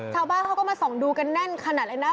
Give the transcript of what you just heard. ชาวบ้านเขาก็มาส่องดูกันแน่นขนาดเลยนะ